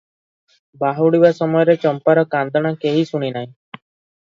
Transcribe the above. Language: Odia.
ବାହୁଡ଼ିବା ସମୟରେ ଚମ୍ପାର କାନ୍ଦଣା କେହି ଶୁଣିନାହିଁ ।